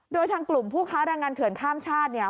โดยทางกลุ่มผู้ค้าแรงงานเถื่อนข้ามชาติเนี่ย